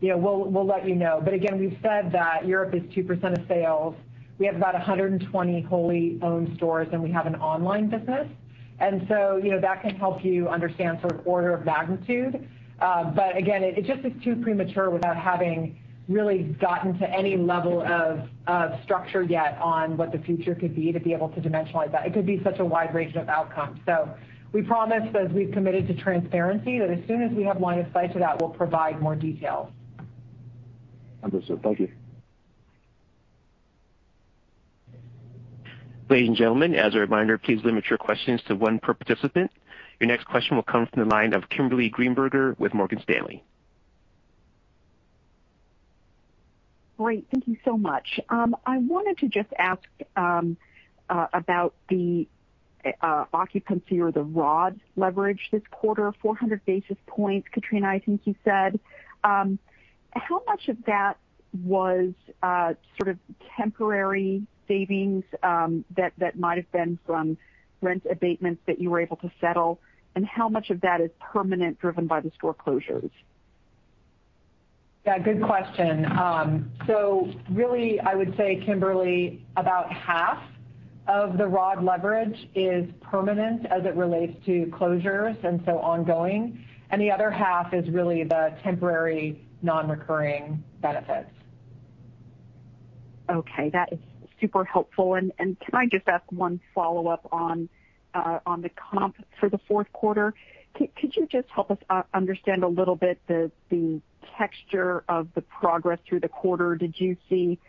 C: We'll let you know. Again, we've said that Europe is 2% of sales. We have about 120 wholly owned stores, and we have an online business. That can help you understand sort of order of magnitude. Again, it just is too premature without having really gotten to any level of structure yet on what the future could be to be able to dimensionalize that. It could be such a wide range of outcomes. We promise, as we've committed to transparency, that as soon as we have line of sight to that, we'll provide more details.
G: Understood. Thank you.
A: Ladies and gentlemen, as a reminder, please limit your questions to one per participant. Your next question will come from the line of Kimberly Greenberger with Morgan Stanley.
H: Great. Thank you so much. I wanted to just ask about the occupancy or the raw leverage this quarter, 400 basis points, Katrina, I think you said. How much of that was sort of temporary savings that might have been from rent abatements that you were able to settle, and how much of that is permanent, driven by the store closures?
C: Yeah, good question. Really, I would say, Kimberly, about half of the raw leverage is permanent as it relates to closures, and so ongoing, and the other half is really the temporary non-recurring benefits.
H: Okay. That is super helpful. Can I just ask one follow-up on the comp for the fourth quarter? Could you just help us understand a little bit the texture of the progress through the quarter? Did you see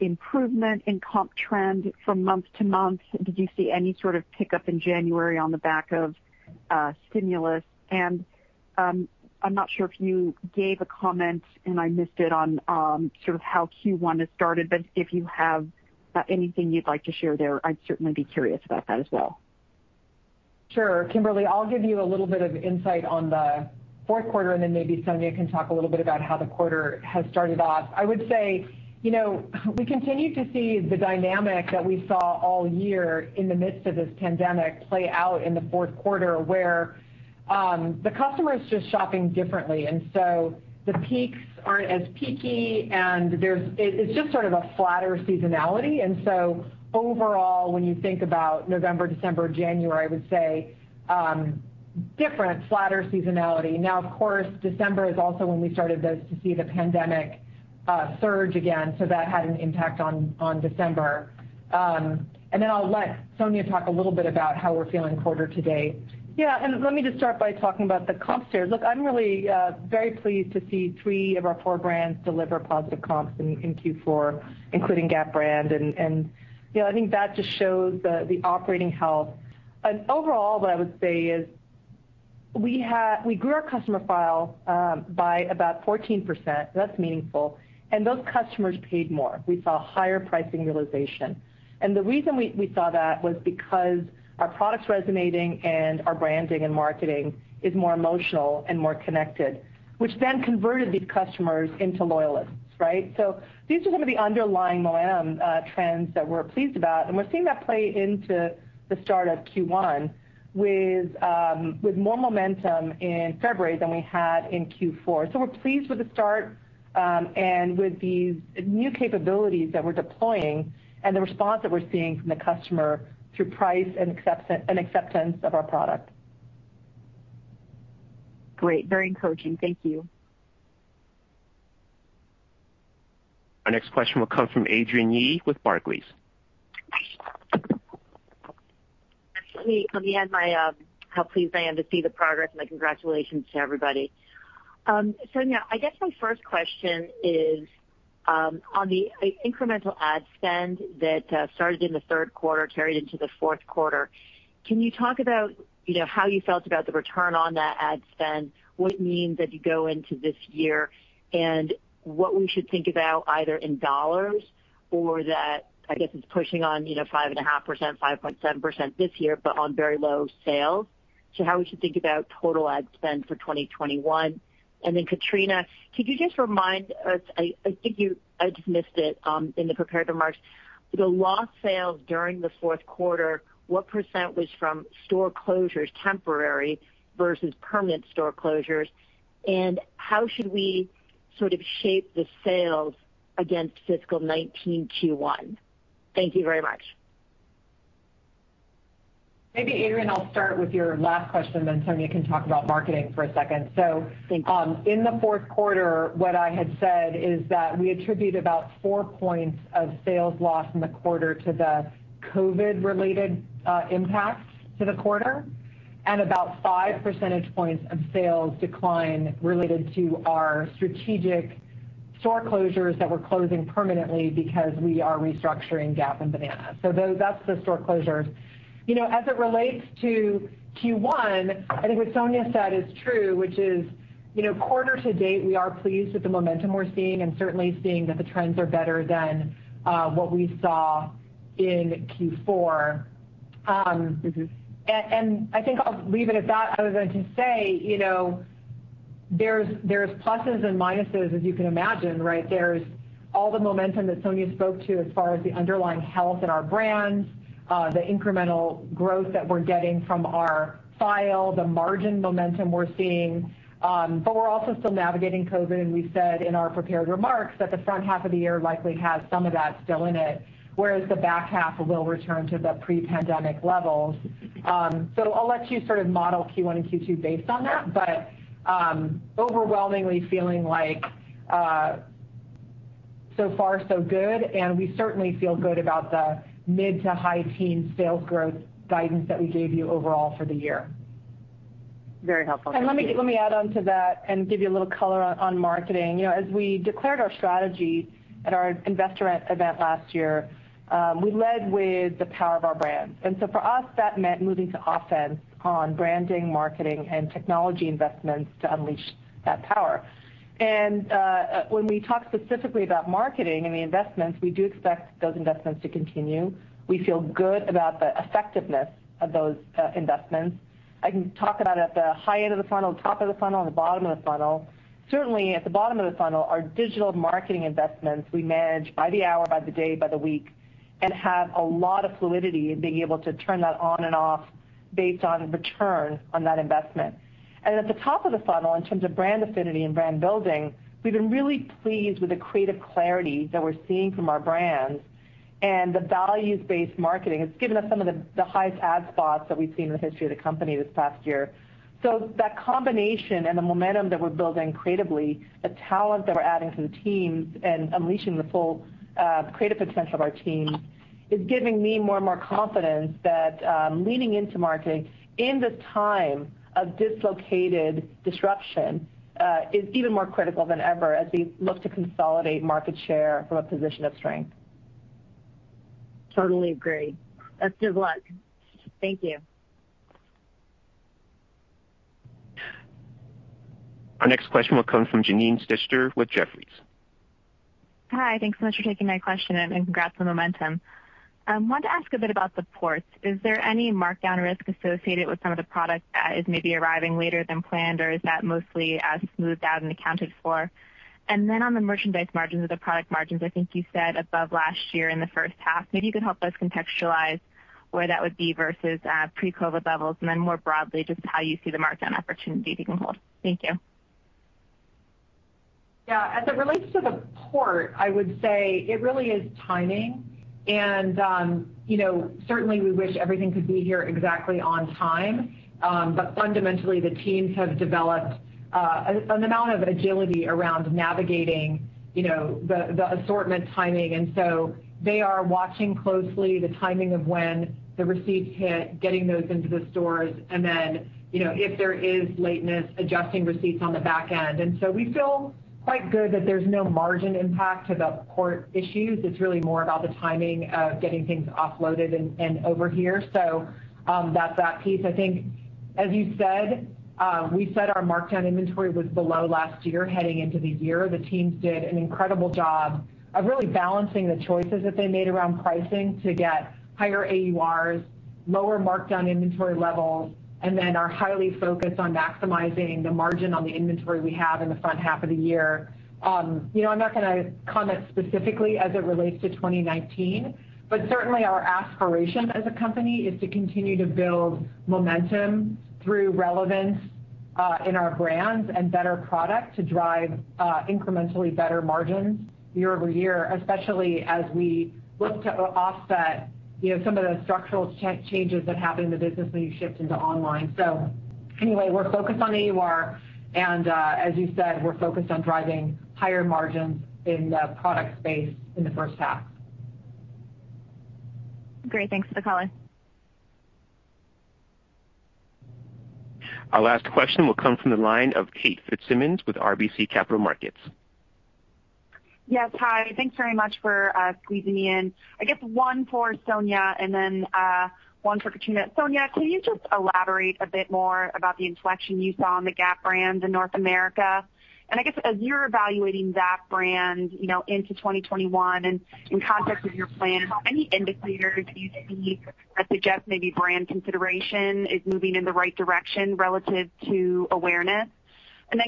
H: improvement in comp trend from month to month? Did you see any sort of pickup in January on the back of stimulus? I'm not sure if you gave a comment and I missed it on how Q1 has started, but if you have anything you'd like to share there, I'd certainly be curious about that as well.
C: Sure. Kimberly, I'll give you a little bit of insight on the fourth quarter, and then maybe Sonia can talk a little bit about how the quarter has started off. I would say, we continue to see the dynamic that we saw all year in the midst of this pandemic play out in the fourth quarter where the customer is just shopping differently. The peaks aren't as peaky and it is just sort of a flatter seasonality. Overall, when you think about November, December, January, I would say, different flatter seasonality. Of course, December is also when we started to see the pandemic surge again. That had an impact on December. I'll let Sonia talk a little bit about how we're feeling quarter to date.
D: Yeah. Let me just start by talking about the comps there. Look, I'm really very pleased to see three of our four brands deliver positive comps in Q4, including Gap brand. I think that just shows the operating health. Overall, what I would say is we grew our customer file by about 14%, so that's meaningful, and those customers paid more. We saw higher pricing realization. The reason we saw that was because our product's resonating and our branding and marketing is more emotional and more connected, which then converted these customers into loyalists, right? These are some of the underlying momentum trends that we're pleased about, and we're seeing that play into the start of Q1 with more momentum in February than we had in Q4. We're pleased with the start, and with these new capabilities that we're deploying and the response that we're seeing from the customer through price and acceptance of our product.
H: Great. Very encouraging. Thank you.
A: Our next question will come from Adrienne Yih with Barclays.
I: Adrienne, let me add how pleased I am to see the progress and my congratulations to everybody. Sonia, I guess my first question is on the incremental ad spend that started in the third quarter, carried into the fourth quarter. Can you talk about how you felt about the return on that ad spend? What it means as you go into this year, and what we should think about either in dollars or that, I guess it's pushing on 5.5%, 5.7% this year, but on very low sales, so how we should think about total ad spend for 2021. Katrina, could you just remind us, I think I just missed it in the prepared remarks, the lost sales during the fourth quarter, what percent was from store closures, temporary versus permanent store closures, and how should we sort of shape the sales against fiscal 2019 Q1? Thank you very much.
C: Maybe Adrienne, I'll start with your last question, then Sonia can talk about marketing for a second.
I: Thank you.
C: In the fourth quarter, what I had said is that we attribute about four points of sales loss in the quarter to the COVID related impacts to the quarter, and about 5 percentage points of sales decline related to our strategic store closures that we're closing permanently because we are restructuring Gap and Banana Republic. That's the store closures. As it relates to Q1, I think what Sonia said is true, which is, quarter to date, we are pleased with the momentum we're seeing and certainly seeing that the trends are better than what we saw in Q4. I think I'll leave it at that. I was going to say, there's pluses and minuses as you can imagine, right? There's all the momentum that Sonia spoke to as far as the underlying health in our brands, the incremental growth that we're getting from our file, the margin momentum we're seeing. We're also still navigating COVID, and we said in our prepared remarks that the front half of the year likely has some of that still in it, whereas the back half will return to the pre-pandemic levels. I'll let you sort of model Q1 and Q2 based on that. Overwhelmingly feeling like so far so good, and we certainly feel good about the mid to high teen sales growth guidance that we gave you overall for the year.
I: Very helpful. Thank you.
D: Let me add onto that and give you a little color on marketing. As we declared our strategy at our investor event last year, we led with the power of our brands. For us, that meant moving to offense on branding, marketing, and technology investments to unleash that power. When we talk specifically about marketing and the investments, we do expect those investments to continue. We feel good about the effectiveness of those investments. I can talk about at the high end of the funnel, top of the funnel, and the bottom of the funnel. Certainly at the bottom of the funnel are digital marketing investments we manage by the hour, by the day, by the week, and have a lot of fluidity in being able to turn that on and off based on return on that investment. At the top of the funnel, in terms of brand affinity and brand building, we've been really pleased with the creative clarity that we're seeing from our brands and the values-based marketing. It's given us some of the highest ad spots that we've seen in the history of the company this past year. That combination and the momentum that we're building creatively, the talent that we're adding to the teams and unleashing the full creative potential of our team is giving me more and more confidence that leaning into marketing in this time of dislocated disruption is even more critical than ever as we look to consolidate market share from a position of strength.
I: Totally agree. Good luck. Thank you.
A: Our next question will come from Janine Stichter with Jefferies.
J: Hi. Thanks so much for taking my question, and congrats on the momentum. I wanted to ask a bit about the ports. Is there any markdown risk associated with some of the product that is maybe arriving later than planned, or is that mostly smoothed out and accounted for? Then on the merchandise margins or the product margins, I think you said above last year in the first half. Maybe you could help us contextualize where that would be versus pre-COVID levels, and then more broadly, just how you see the markdown opportunity going forward. Thank you.
C: Yeah. As it relates to the port, I would say it really is timing. Certainly, we wish everything could be here exactly on time. Fundamentally, the teams have developed an amount of agility around navigating the assortment timing. They are watching closely the timing of when the receipts hit, getting those into the stores, and then, if there is lateness, adjusting receipts on the back end. We feel quite good that there's no margin impact to the port issues. It's really more about the timing of getting things offloaded and over here. That's that piece. I think, as you said, we said our markdown inventory was below last year heading into the year. The teams did an incredible job of really balancing the choices that they made around pricing to get higher AURs, lower markdown inventory levels, then are highly focused on maximizing the margin on the inventory we have in the front half of the year. I'm not gonna comment specifically as it relates to 2019, certainly our aspiration as a company is to continue to build momentum through relevance in our brands and better product to drive incrementally better margins year-over-year, especially as we look to offset some of the structural changes that happened in the business when you shift into online. Anyway, we're focused on AUR, as you said, we're focused on driving higher margins in the product space in the first half.
J: Great. Thanks for the color.
A: Our last question will come from the line of Kate Fitzsimons with RBC Capital Markets.
K: Yes. Hi. Thanks very much for squeezing me in. I guess one for Sonia and then one for Katrina. Sonia, can you just elaborate a bit more about the inflection you saw on the Gap brand in North America? I guess as you're evaluating that brand into 2021 and in context of your plan, how many indicators do you see that suggest maybe brand consideration is moving in the right direction relative to awareness?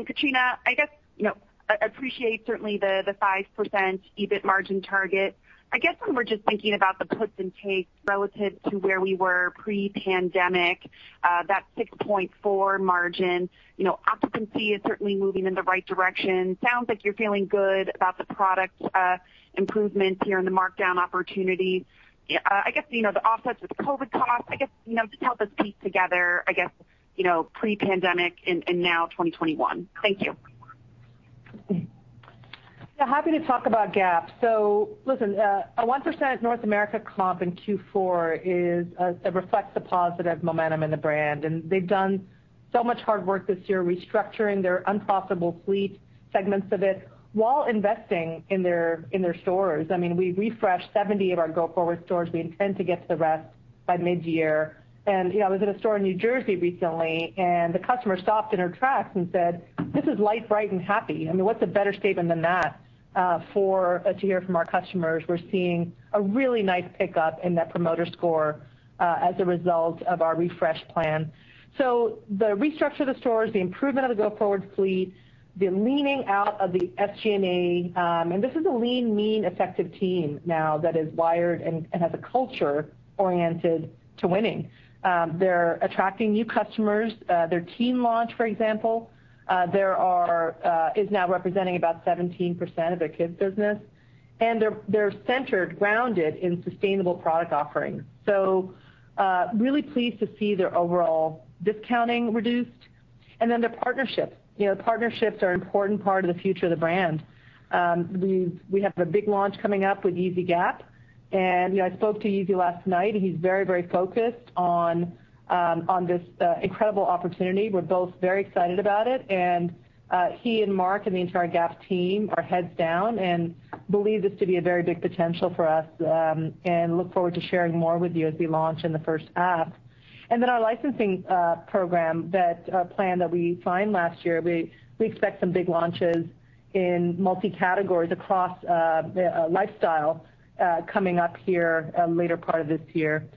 K: Katrina, I appreciate certainly the 5% EBIT margin target. I guess when we're just thinking about the puts and takes relative to where we were pre-pandemic, that 6.4% margin, occupancy is certainly moving in the right direction. Sounds like you're feeling good about the product improvements here and the markdown opportunity. I guess the offsets with COVID costs, just help us piece together pre-pandemic and now 2021. Thank you.
D: Yeah, happy to talk about Gap. Listen, a 1% North America comp in Q4 reflects the positive momentum in the brand, and they've done so much hard work this year restructuring their unprofitable fleet segments of it while investing in their stores. We refreshed 70 of our go-forward stores. We intend to get to the rest by mid-year. I was at a store in New Jersey recently, and the customer stopped in her tracks and said, "This is light, bright, and happy." What's a better statement than that to hear from our customers? We're seeing a really nice pickup in that promoter score as a result of our refresh plan. The restructure of the stores, the improvement of the go-forward fleet, the leaning out of the SG&A. This is a lean, mean, effective team now that is wired and has a culture oriented to winning. They're attracting new customers. Their teen launch, for example, is now representing about 17% of their kids business. They're centered, grounded in sustainable product offerings. Really pleased to see their overall discounting reduced. Their partnerships. Partnerships are an important part of the future of the brand. We have a big launch coming up with Yeezy Gap. I spoke to Yeezy last night. He's very focused on this incredible opportunity. We're both very excited about it. He and Mark and the entire Gap team are heads down and believe this to be a very big potential for us and look forward to sharing more with you as we launch in the first half. Our licensing program, that plan that we signed last year, we expect some big launches in multi-categories across lifestyle coming up here later part of this year.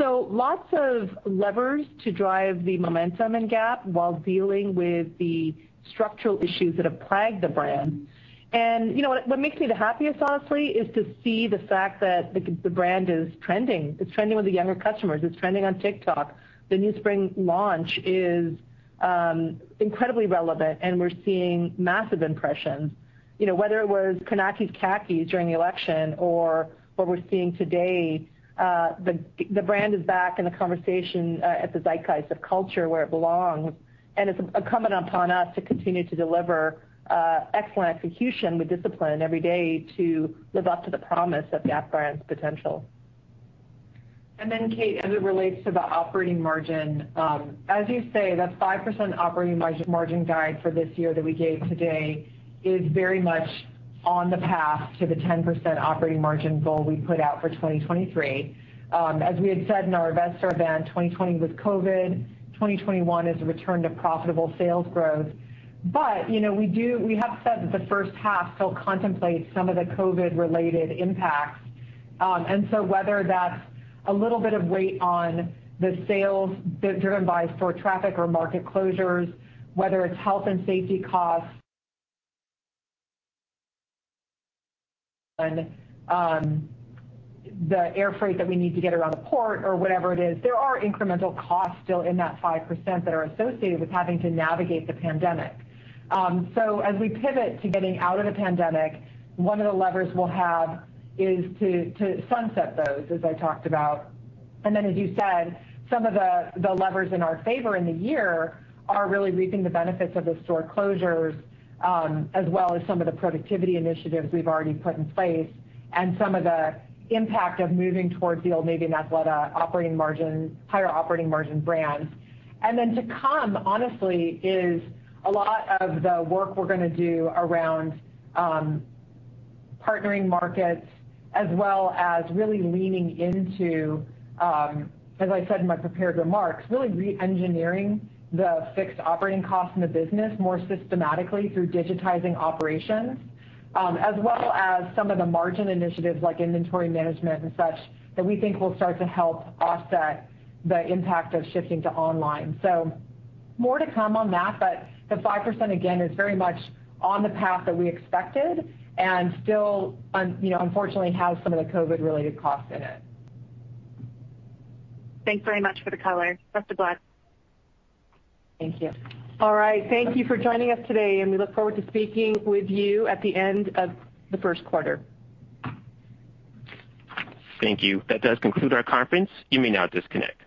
D: Lots of levers to drive the momentum in Gap while dealing with the structural issues that have plagued the brand. What makes me the happiest, honestly, is to see the fact that the brand is trending. It's trending with the younger customers. It's trending on TikTok. The new spring launch is incredibly relevant, and we're seeing massive impressions. Whether it was Kornacki khakis during the election or what we're seeing today, the brand is back in the conversation at the zeitgeist of culture where it belongs, and it's incumbent upon us to continue to deliver excellent execution with discipline every day to live up to the promise of Gap Brand's potential.
C: Then Kate, as it relates to the operating margin. As you say, that 5% operating margin guide for this year that we gave today is very much on the path to the 10% operating margin goal we put out for 2023. As we had said in our investor event, 2020 was COVID, 2021 is a return to profitable sales growth. We have said that the first half still contemplates some of the COVID related impacts. Whether that's a little bit of weight on the sales driven by store traffic or market closures, whether it's health and safety costs. The air freight that we need to get around a port or whatever it is. There are incremental costs still in that 5% that are associated with having to navigate the pandemic. As we pivot to getting out of the pandemic, one of the levers we'll have is to sunset those, as I talked about. Then, as you said, some of the levers in our favor in the year are really reaping the benefits of the store closures, as well as some of the productivity initiatives we've already put in place, and some of the impact of moving towards the Old Navy and Athleta higher operating margin brands. Then to come, honestly, is a lot of the work we're going to do around partnering markets as well as really leaning into, as I said in my prepared remarks, really re-engineering the fixed operating costs in the business more systematically through digitizing operations. As well as some of the margin initiatives like inventory management and such, that we think will start to help offset the impact of shifting to online. More to come on that. The 5%, again, is very much on the path that we expected and still unfortunately has some of the COVID related costs in it.
K: Thanks very much for the color. Best of luck.
C: Thank you.
D: All right. Thank you for joining us today. We look forward to speaking with you at the end of the first quarter.
A: Thank you. That does conclude our conference. You may now disconnect.